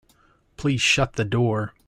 Please shut the door.